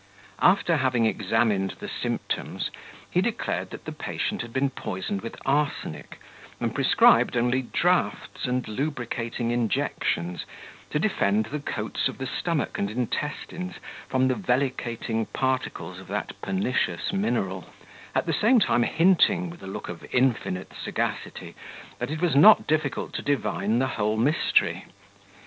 After having examined the symptoms, he declared that the patient had been poisoned with arsenic, and prescribed only draughts and lubricating injections, to defend the coats of the stomach and intestines from the vellicating particles of that pernicious mineral; at the same time hinting, with a look of infinite sagacity, that it was not difficult to divine the whole mystery.